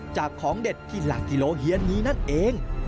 ของเด็ดที่หลักกิโลเฮียนนี้นั่นเอง